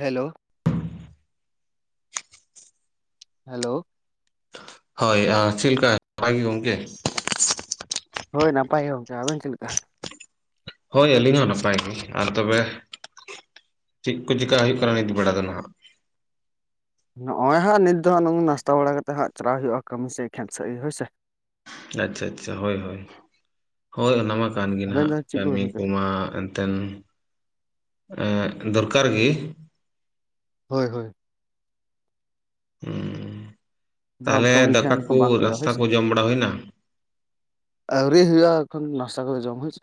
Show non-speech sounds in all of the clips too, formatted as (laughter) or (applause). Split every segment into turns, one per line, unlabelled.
Hello hello
ᱦᱳᱭ ᱪᱤᱫᱞᱤᱠᱟ ᱱᱟᱯᱟᱭ ᱜᱮ ᱜᱚᱢᱠᱮ?
ᱦᱳᱭ ᱱᱟᱯᱟᱭ ᱜᱮ ᱜᱚᱢᱠᱮ ᱟᱵᱮᱱ ᱪᱮᱫ ᱞᱮᱠᱟ?
ᱦᱳᱭ ᱟᱹᱞᱤᱧ ᱦᱚᱸ ᱱᱟᱯᱟᱭ ᱜᱮ ᱟᱨ ᱛᱚᱵᱮ ᱪᱮᱫ ᱠᱚ ᱪᱤᱠᱟ ᱦᱩᱭᱩᱜ ᱠᱟᱱᱟ ᱱᱤᱛ ᱵᱮᱲᱟ ᱫᱚ ᱱᱟᱦᱟᱜ᱾
ᱱᱚᱜᱼᱚᱭ ᱦᱟᱸᱜ ᱱᱤᱛ ᱫᱚ ᱦᱟᱸᱜ ᱱᱟᱥᱛᱟ ᱵᱟᱲᱟ ᱠᱟᱛᱮᱜ ᱦᱟᱸᱜ ᱪᱟᱞᱟᱣ ᱦᱩᱭᱩᱜᱼᱟ ᱠᱟᱹᱢᱤ ᱥᱮᱜ ᱠᱷᱮᱛ ᱥᱮᱫ ᱜᱮ ᱦᱳᱭ ᱥᱮ᱾
ᱟᱪᱪᱷᱟ ᱟᱪᱪᱷᱟ, ᱦᱳᱭ ᱦᱳᱭ, ᱦᱳᱭ ᱚᱱᱟᱢᱟ
ᱦᱩᱸ
ᱠᱟᱱ ᱜᱮ
ᱟᱵᱮᱱ
ᱱᱟᱦᱟᱜ
ᱫᱚ ᱪᱮᱫ
ᱠᱟᱹᱢᱤ
ᱠᱚᱵᱮᱱ ᱠᱟᱱᱟ?
ᱠᱚᱢᱟ (inaudible) ᱫᱚᱨᱠᱟᱨ ᱜᱮ᱾
ᱦᱳᱭ ᱦᱳᱭ᱾
ᱦᱩᱸ,
ᱵᱟᱢ
ᱛᱟᱦᱚᱞᱮ
ᱠᱟᱹᱢᱤ
ᱫᱟᱠᱟ
ᱞᱮᱠᱷᱟᱱ
ᱠᱩ
ᱵᱟᱝ ᱦᱩᱭᱩᱜᱼᱟ
ᱱᱟᱥᱛᱟ
ᱦᱳᱭ
ᱠᱚ
ᱥᱮ
ᱡᱚᱢ ᱵᱟᱲᱟ ᱦᱩᱭ ᱮᱱᱟ?
ᱟᱹᱣᱨᱤ ᱦᱩᱭᱩᱜᱼᱟ ᱮᱠᱷᱚᱱ ᱱᱟᱥᱛᱟ ᱠᱚ ᱫᱚ ᱡᱚᱢ ᱦᱩᱭ ᱥᱮ,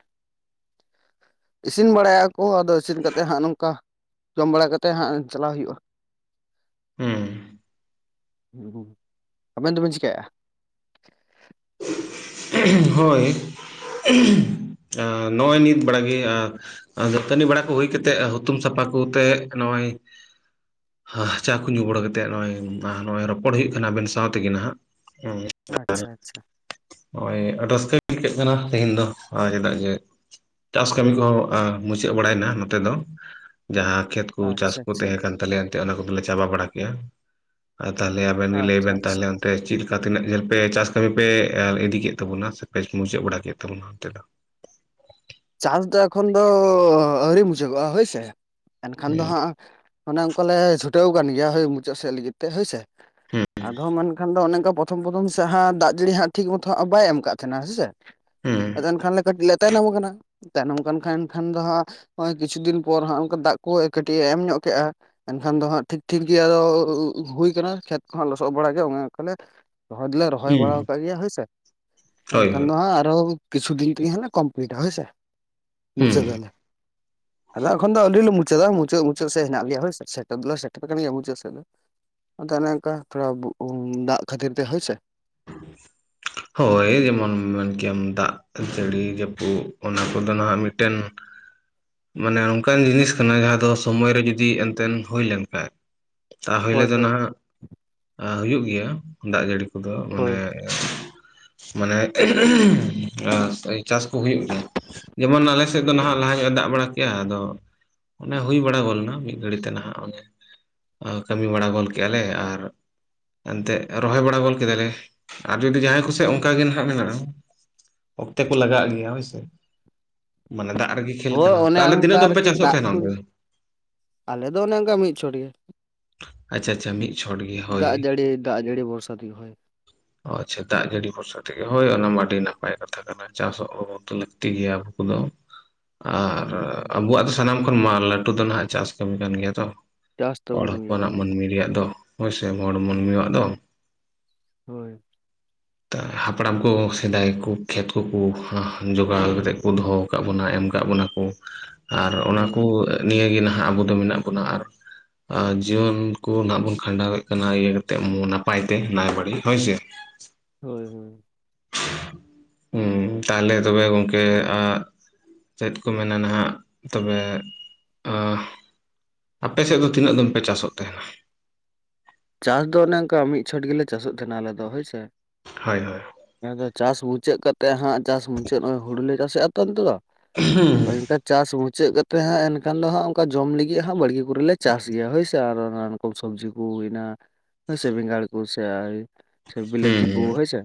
ᱤᱥᱤᱱ ᱵᱟᱲᱟᱭᱟ ᱠᱚ ᱟᱫᱚ ᱤᱥᱤᱱ ᱠᱟᱛᱮᱫ ᱦᱟᱸᱜ ᱱᱚᱝᱠᱟ, ᱡᱚᱢ ᱵᱟᱲᱟ ᱠᱟᱛᱮᱫ ᱦᱟᱸᱜ ᱪᱟᱞᱟᱣ ᱦᱩᱭᱩᱜᱼᱟ᱾
ᱦᱩᱸ
ᱟᱵᱮᱱ ᱫᱚᱵᱮᱱ ᱪᱤᱠᱟᱭᱮᱫᱼᱟ?
(inaudible) ᱦᱳᱭ (inaudible) ᱱᱚᱜᱼᱚᱭ ᱱᱤᱛ ᱵᱟᱲᱟ ᱜᱮ ᱫᱟᱹᱛᱟᱹᱱᱤ ᱵᱟᱲᱟ ᱠᱚ ᱦᱩᱭ ᱠᱟᱛᱮᱜ ᱦᱩᱛᱩᱢ ᱥᱟᱯᱷᱟ ᱠᱚᱛᱮ ᱱᱚᱜᱼᱚᱭ ᱪᱟ ᱠᱚ ᱧᱩ ᱵᱟᱹᱲᱟ ᱠᱟᱛᱮᱜ ᱱᱚᱜᱚᱭ ᱱᱚᱜᱼᱚᱭ ᱨᱚᱯᱚᱲ ᱦᱩᱭᱩᱜ ᱠᱟᱱᱟ ᱟᱵᱮᱱ ᱥᱟᱶ ᱛᱮᱜᱮ ᱱᱟᱦᱟᱜ᱾
ᱟᱪᱪᱷᱟ ᱟᱪᱪᱷᱟ᱾
ᱱᱚᱜᱚᱭ ᱨᱟᱹᱥᱠᱟᱹ ᱜᱮ ᱟᱹᱭᱠᱟᱹᱜ ᱠᱟᱱᱟ ᱛᱮᱦᱮᱧ ᱫᱚ ᱟᱨ ᱪᱮᱫᱟᱜ ᱡᱮ ᱪᱟᱥ ᱠᱟᱹᱢᱤ ᱠᱚᱦᱚᱸ ᱢᱩᱪᱟᱹᱫ ᱵᱟᱲᱟᱭ ᱮᱱᱟ ᱱᱚᱛᱮ ᱫᱚ, ᱡᱟᱸᱦᱟᱸ ᱠᱷᱮᱛ ᱪᱟᱥ
ᱟᱪᱪᱷᱟ
ᱠᱚ
ᱟᱪᱪᱷᱟ
ᱛᱟᱦᱮᱸ ᱠᱟᱱ ᱛᱟᱞᱮᱭᱟ ᱮᱱᱛᱮᱫ ᱚᱱᱟ ᱠᱚᱫᱚᱞᱮ ᱪᱟᱵᱟ ᱵᱟᱲᱟ ᱠᱮᱜᱼᱟ᱾ ᱟᱨ ᱛᱟᱦᱚᱞᱮ ᱟᱵᱮᱱᱜ ᱞᱟᱹᱭ
ᱟᱪᱪᱷᱟ
ᱵᱮᱱ
ᱟᱪᱪᱷᱟ
ᱛᱟᱦᱚᱞᱮ ᱚᱱᱛᱮ ᱪᱮᱫ ᱞᱮᱠᱟ ᱛᱤᱱᱟᱹᱜ ᱡᱷᱟᱞ ᱪᱟᱥ ᱠᱟᱹᱢᱤ ᱯᱮ ᱮ ᱤᱫᱤ ᱠᱮᱫ ᱛᱟᱵᱚᱱᱟ ᱥᱮ ᱯᱮ ᱢᱩᱪᱟᱹᱫ ᱵᱟᱲᱟ ᱠᱮᱫ ᱛᱟᱵᱚᱱᱟ ᱚᱱᱛᱮ ᱫᱚ?
ᱪᱟᱥ ᱫᱚ ᱮᱠᱷᱚᱱ ᱫᱚ ᱟᱹᱣᱨᱤ ᱢᱩᱪᱷᱟᱹᱜᱚᱜᱼᱟ ᱦᱳᱭᱥᱮ ᱮᱱᱠᱷᱟᱱ ᱫᱚ
ᱦᱩᱸ
ᱦᱟᱸᱜ ᱚᱱᱮ ᱚᱱᱠᱟ ᱞᱮ ᱪᱷᱩᱴᱟᱹᱣ ᱟᱠᱟᱱ ᱜᱮᱭᱟ ᱦᱳᱭ ᱢᱩᱪᱟᱹᱫ ᱥᱮᱫ ᱞᱟᱜᱤᱫ ᱛᱮ ᱦᱳᱭᱥᱮ
ᱦᱩᱸ
ᱟᱫᱚ ᱢᱮᱱᱠᱷᱟᱱ ᱫᱚ ᱚᱱᱮ ᱚᱱᱠᱟ ᱯᱨᱚᱛᱷᱚᱢ ᱯᱨᱚᱛᱷᱚᱢ ᱥᱮ ᱦᱟᱸ ᱫᱟᱜ ᱡᱟᱹᱲᱤ ᱦᱟᱸᱜ ᱴᱷᱤᱠ ᱢᱚᱛᱚ ᱦᱟᱸᱜ ᱵᱟᱭ ᱮᱢ ᱠᱟᱫ ᱛᱟᱦᱮᱱᱟ ᱦᱮᱸᱥᱮ ᱟᱫᱚ ᱮᱱ ᱠᱷᱟᱱ ᱞᱮ ᱠᱟᱹᱴᱤᱡ ᱞᱮ ᱛᱟᱭᱱᱚᱢ ᱠᱟᱱᱟ᱾ ᱛᱟᱭᱱᱚᱢ ᱠᱟᱱ ᱠᱷᱟᱱ ᱮᱱᱠᱷᱟᱱ ᱫᱚ ᱦᱟᱸᱜ ᱱᱚᱜᱼᱚᱭ ᱠᱤᱪᱷᱩ ᱫᱤᱱ ᱯᱚᱨ ᱦᱟᱸᱜ ᱠᱟ ᱫᱟᱜ ᱠᱚ ᱠᱟᱹᱴᱤᱡ ᱮ ᱮᱢ ᱧᱚᱜ ᱠᱼᱟ᱾ ᱮᱱᱠᱷᱟᱱ ᱫᱚ ᱦᱟᱸᱜ ᱴᱷᱤᱠ ᱴᱷᱤᱠ ᱜᱮ ᱟᱫᱚ ᱦᱩᱭ ᱠᱟᱱᱟ ᱠᱷᱮᱛ ᱠᱚᱦᱟᱸᱜ ᱞᱚᱥᱚᱫ ᱵᱟᱲᱟᱜ ᱜᱮ ᱚᱱᱮ ᱚᱱᱠᱟᱞᱮ ᱨᱚᱦᱚᱭ ᱫᱚᱞᱮ
ᱦᱩᱸ
ᱨᱚᱦᱚᱭ ᱵᱟᱲᱟ
ᱦᱩᱸ
ᱟᱠᱟᱫ ᱜᱮᱭᱟ ᱦᱳᱭᱥᱮ
ᱦᱳᱭ
ᱮᱱᱠᱷᱟᱱ
ᱦᱳᱭ
ᱫᱚ ᱦᱟᱸᱜ ᱟᱨᱚ ᱠᱤᱪᱩ ᱫᱤᱱ ᱛᱮ ᱦᱮ ᱠᱚᱢᱯᱞᱤᱴᱼᱟ ᱦᱚᱭ ᱥᱮ
ᱦᱩᱸ
ᱢᱩᱪᱟᱹᱫ ᱫᱟᱞᱮ᱾
(inaudible)
ᱟᱫᱚ ᱮᱠᱷᱚᱱ ᱫᱚ ᱟᱹᱞᱤᱞ ᱞᱮ ᱢᱩᱪᱟᱹᱫᱟ ᱢᱩᱪᱟᱹᱫ ᱢᱩᱪᱟᱹᱫ ᱥᱮᱫ ᱦᱮᱱᱟᱜ ᱞᱮᱭᱟ ᱦᱳᱭ ᱥᱮᱴᱮᱨ ᱫᱚᱞᱮ ᱥᱮᱴᱮᱨ ᱟᱠᱟᱱ ᱜᱮᱭᱟ ᱢᱩᱪᱟᱹᱫ ᱥᱮᱫ ᱫᱚ᱾ ᱟᱫᱚ ᱚᱱᱮ ᱚᱱᱠᱟ ᱛᱷᱚᱲᱟ ᱫᱟᱜ ᱠᱷᱟᱹᱛᱤᱨ ᱛᱮ ᱦᱳᱭᱥᱮ᱾
ᱦᱳᱭ ᱡᱮᱢᱚᱱ ᱢᱮᱱᱠᱮᱟᱢ ᱫᱟᱜ᱾ ᱡᱟᱹᱲᱤ ᱡᱟᱹᱯᱩᱫ ᱚᱱᱟ ᱠᱚᱫᱚ ᱱᱟᱸᱜ ᱢᱤᱫᱴᱮᱱ ᱢᱟᱱᱮ ᱱᱚᱝᱠᱟᱱ ᱡᱤᱱᱤᱥ ᱠᱟᱱᱟ ᱡᱟᱦᱟᱸ ᱫᱚ ᱥᱚᱢᱚᱭ ᱨᱮ ᱡᱩᱫᱤ ᱮᱱᱛᱮᱫ ᱦᱩᱭ ᱞᱮᱱᱠᱷᱟᱱ ᱛᱟᱦᱤᱞᱮ
ᱦᱳᱭ
ᱫᱚ
ᱦᱳᱭ
ᱱᱟᱦᱟᱜ ᱦᱩᱭᱩᱜ ᱜᱮᱭᱟ ᱫᱟᱜ ᱡᱟᱹᱲᱤ ᱠᱚᱫᱚ᱾
ᱦᱳᱭ᱾
ᱢᱟᱱᱮ ᱢᱟᱱᱮ ᱪᱟᱥ ᱠᱚ ᱦᱩᱭᱩᱜ ᱜᱮᱭᱟ? ᱡᱮᱢᱚᱱ ᱟᱞᱮ ᱥᱮᱫ ᱫᱚ ᱱᱟᱦᱟᱜ ᱞᱟᱦᱟ ᱧᱚᱜᱼ ᱮ ᱫᱟᱜ ᱵᱟᱲᱟ ᱠᱮᱜ-ᱟ ᱟᱫᱚ ᱚᱱᱮ ᱦᱩᱭ ᱵᱟᱲᱟ ᱜᱚᱫᱱᱟ ᱢᱤᱫ ᱜᱷᱟᱹᱲᱤᱡ ᱛᱮ ᱱᱟᱦᱟᱜ ᱚᱱᱮ᱾ ᱠᱟᱹᱢᱤ ᱵᱟᱲᱟ ᱜᱚᱫ ᱠᱮᱫ ᱞᱮ ᱟᱨ, ᱮᱱᱛᱮᱫ ᱨᱚᱦᱚᱭ ᱵᱟᱲᱟ ᱜᱚᱫ ᱠᱮᱫᱟᱞᱮ᱾ ᱟᱨ ᱡᱩᱫᱤ ᱡᱟᱦᱟᱸᱭ ᱠᱚᱥᱮᱡ ᱚᱱᱠᱟᱜ ᱜᱮ ᱟᱜ ᱢᱮᱱᱟᱜᱼᱟ ᱚᱠᱛᱚ ᱠᱚ ᱞᱟᱜᱟᱜ ᱜᱮᱭᱟ ᱦᱳᱭᱥᱮ᱾ ᱢᱟᱱᱮ ᱫᱟᱜ ᱨᱮᱜᱮ
ᱦᱳᱭ ᱚᱱᱮ
ᱛᱟᱦᱚᱞᱮ
ᱚᱱᱠᱟ
ᱛᱤᱱᱟᱹᱜ ᱫᱚᱢ ᱯᱮ
ᱟᱨᱠᱤ
ᱪᱟᱥᱚᱜ
ᱫᱟᱜ
ᱛᱟᱦᱮᱱᱟ
ᱠᱩ
ᱚᱱᱛᱮ ᱫᱚ
ᱟᱞᱮ ᱫᱚ ᱚᱱᱮ ᱚᱱᱠᱟ ᱢᱤᱫ ᱪᱷᱚᱴ ᱜᱮ᱾
ᱟᱪᱪᱷᱟ ᱟᱪᱪᱷᱟ ᱢᱤ
ᱫᱟᱜ ᱡᱟᱹᱲᱤ ᱫᱟᱜ ᱡᱟᱹᱲᱤ ᱵᱚᱨᱥᱟ ᱛᱮ ᱦᱳᱭ
ᱟᱪᱪᱷᱟ ᱫᱟᱜ ᱡᱟᱹᱲᱤ ᱵᱷᱚᱨᱥᱟ ᱛᱮᱜᱮ ᱦᱳᱭ ᱚᱱᱟᱢᱟ ᱟᱹᱰᱤ ᱱᱟᱯᱟᱭ ᱠᱟᱛᱷᱟ ᱠᱟᱱᱟ ᱪᱟᱥᱚᱜ ᱦᱚᱸ ᱞᱟᱹᱠᱛᱤ ᱜᱮᱭᱟ ᱟᱵᱚ ᱠᱚᱫᱚ᱾ ᱟᱨ
ᱦᱳᱭ
ᱟᱵᱩᱭᱟᱜ ᱫᱚ ᱥᱟᱱᱟᱢ ᱠᱷᱚᱱ ᱢᱟ ᱞᱟᱹᱴᱩ ᱫᱚ ᱱᱟᱦᱟᱜ ᱪᱟᱥ ᱠᱟᱹᱢᱤ ᱠᱟᱱ ᱜᱮᱭᱟ ᱛᱚ᱾
ᱪᱟᱥ
ᱦᱚᱲ
ᱛᱟᱵᱚᱱ ᱠᱟᱱ ᱜᱮᱭᱟ
ᱦᱚᱯᱚᱱᱟᱜ
ᱦᱳᱭ
ᱢᱟᱹᱱᱢᱤ ᱨᱮᱭᱟᱜ ᱫᱚ ᱦᱳᱭᱥᱮ ᱦᱚᱲ ᱢᱟᱹᱱᱢᱤᱭᱟᱜ ᱫᱚ᱾
ᱦᱳᱭ᱾
ᱛᱟ ᱦᱟᱯᱲᱟᱢ ᱠᱚ ᱥᱮᱫᱟᱭ ᱠᱩ ᱠᱷᱮᱛ ᱠᱚᱠᱚ ᱡᱚᱜᱟᱲ ᱠᱟᱛᱮᱫ ᱠᱩ ᱫᱚᱦᱚ ᱠᱟᱜ ᱵᱚᱱᱟ ᱮᱢ ᱠᱟᱜ ᱵᱚᱱᱟ ᱠᱚ ᱟᱨ ᱚᱱᱟ
ᱦᱳᱭ
ᱠᱚ ᱱᱤᱭᱳᱜᱮ ᱱᱟᱦᱟᱜ ᱟᱵᱚ ᱫᱚ ᱢᱮᱱᱟᱜ ᱵᱚᱱᱟ ᱟᱨ ᱟᱨ ᱡᱤᱭᱚᱱ ᱠᱩ ᱱᱟᱦᱟᱜ ᱵᱚᱱ ᱠᱷᱟᱸᱰᱟᱣᱮᱫ ᱠᱟᱱᱟ ᱤᱭᱟᱹ ᱠᱟᱛᱮᱫ ᱱᱟᱯᱟᱭ ᱛᱮ ᱱᱟᱭ ᱵᱟᱹᱲᱮ ᱦᱳᱭ ᱥᱮ᱾
ᱦᱳᱭ ᱦᱳᱭ᱾
ᱦᱩᱸ ᱛᱟᱦᱞᱮ ᱛᱚᱵᱮ ᱜᱚᱝᱠᱮ ᱟ ᱪᱮᱫ ᱠᱚ ᱢᱮᱱᱟ ᱱᱟᱦᱟᱜ ᱛᱚᱵᱮ ᱟ ᱟᱯᱮᱥᱮᱫ ᱫᱚ ᱛᱤᱱᱟᱹᱜ ᱫᱚᱢ ᱯᱮ ᱪᱟᱥᱚᱜ ᱛᱟᱦᱮᱱᱟ?
ᱪᱟᱥ ᱫᱚ ᱚᱱᱮ ᱚᱱᱠᱟ ᱢᱤᱫ ᱪᱷᱚᱴ ᱜᱮᱞᱮ ᱪᱟᱥᱚᱜ ᱛᱟᱦᱮᱱᱟ ᱟᱞᱮ ᱫᱚ ᱦᱳᱭ ᱥᱮ᱾
ᱦᱳᱭ ᱦᱳᱭ᱾
ᱟᱫᱚ ᱪᱟᱥ ᱢᱩᱪᱟᱹᱫ ᱠᱟᱛᱮᱜ ᱦᱟᱸᱜ ᱪᱟᱥ ᱢᱩᱪᱟᱹᱫ ᱱᱚᱜᱼᱚᱭ ᱦᱩᱲᱩᱞ ᱞᱮ ᱪᱟᱥᱮᱫᱼᱟ ᱛᱚ ᱱᱛᱮ ᱫᱚ
ᱮᱸᱦᱩᱸ᱾
ᱮᱱᱠᱟ ᱪᱟᱥ ᱢᱩᱪᱟᱹᱫ ᱠᱟᱛᱮᱫ ᱦᱟᱸᱜ ᱮᱱᱠᱷᱟᱱ ᱫᱚ ᱦᱟᱸᱜ ᱚᱱᱠᱟ ᱡᱚᱢ ᱞᱟᱹᱜᱤᱫ ᱦᱟᱜ ᱵᱟᱲᱮᱜᱮ ᱠᱚᱨᱮᱞᱮ ᱪᱟᱥ ᱜᱮᱭᱟ ᱦᱳᱭᱥᱮ ᱟᱨ ᱨᱚ ᱥᱚᱵᱽᱡᱤ ᱠᱚ ᱦᱩᱭᱱᱟ ᱦᱳᱭᱥᱮ ᱵᱮᱸᱜᱟᱲ ᱠᱩ ᱥᱮ ᱥᱮ ᱵᱤᱞᱟᱹᱛᱤ ᱠᱩ
ᱦᱩᱸ
ᱦᱳᱭ ᱥᱮ᱾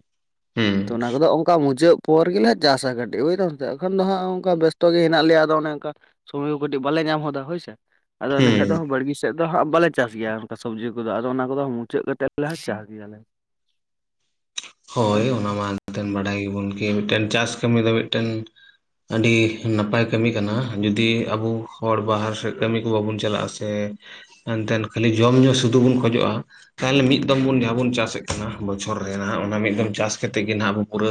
ᱦᱩᱸ
ᱛᱚ ᱚᱱᱟ ᱠᱚᱫᱚ ᱚᱱᱠᱟ ᱢᱩᱪᱟᱹᱫ ᱯᱚᱨ ᱜᱮᱞᱮ ᱪᱟᱥᱟ ᱠᱟᱹᱴᱤᱜ ᱵᱩᱡᱫᱟᱢ ᱛᱚ ᱮᱠᱷᱟᱱ ᱫᱚ ᱦᱟᱸᱜ ᱚᱱᱠᱟ ᱵᱮᱥᱛᱚ ᱜᱮ ᱦᱮᱱᱟᱜ ᱞᱮᱭᱟ ᱟᱫᱚ ᱚᱱᱮ ᱚᱱᱠᱟ᱾ ᱥᱚᱢᱚᱭ ᱠᱚ ᱠᱟᱹᱴᱤᱜ ᱵᱟᱞᱮ ᱧᱟᱢ ᱦᱚᱫᱟ ᱦᱳᱭᱥᱮ ᱟᱫᱚ ᱮᱱᱮᱠᱷᱟᱭ ᱫᱚ
ᱦᱩᱸ
ᱵᱟᱲᱜᱮ ᱥᱮᱜ ᱫᱚ ᱦᱟᱸᱜ ᱵᱟᱞᱮ ᱪᱟᱥ ᱜᱮᱭᱟ ᱚᱱᱠᱟ ᱥᱚᱵᱽᱡᱤ ᱠᱚᱫᱚ ᱟᱫᱚ ᱚᱱᱟ ᱠᱚᱫᱚ ᱢᱩᱪᱟᱹᱫ ᱠᱟᱛᱮᱜ ᱞᱮ ᱪᱟᱥ ᱜᱮᱭᱟᱞᱮ᱾
ᱦᱳᱭ ᱚᱱᱟ ᱢᱟ ᱮᱱᱛᱮ ᱵᱟᱰᱟᱭ ᱜᱮᱵᱚᱱ ᱢᱤᱜᱴᱮᱱ ᱪᱟᱥ ᱠᱟᱹᱢᱤ ᱫᱚ ᱢᱤᱜᱴᱮᱱ ᱟᱹᱰᱤ ᱱᱟᱯᱟᱭ ᱠᱟᱹᱢᱤ ᱠᱟᱱᱟ ᱡᱩᱫᱤ ᱟᱵᱚ ᱦᱚᱲ ᱵᱟᱦᱟᱨ ᱥᱮᱫ ᱠᱟᱹᱢᱤ ᱠᱚ ᱵᱟᱵᱚᱱ ᱪᱟᱞᱟᱭᱼᱟ ᱥᱮ, ᱮᱱᱛᱮᱱ ᱠᱷᱟᱹᱞᱤ ᱡᱚᱢ ᱧᱩ ᱥᱩᱫᱷᱩ ᱵᱚᱱ ᱠᱷᱚᱡᱚᱜᱼᱟ ᱛᱟᱦᱚᱞᱮ ᱢᱤᱫ ᱢᱤᱫᱚᱢ ᱵᱚᱱ
ᱦᱳᱭ
ᱡᱟᱦᱟᱸ ᱵᱚᱱ ᱪᱟᱥᱮᱜ ᱠᱟᱱᱟ ᱵᱚᱪᱷᱚᱨ ᱨᱮ ᱱᱟᱦᱟᱸᱜ ᱚᱱᱟ ᱢᱤᱫ ᱫᱚᱢ ᱪᱟᱥ ᱠᱮᱛᱮ ᱜᱮ ᱱᱟᱦᱟᱸᱜ ᱟᱵᱚ ᱯᱩᱨᱟᱹ